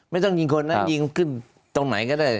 ไม่ต้องยิงคนนะยิงขึ้นตรงไหนก็ได้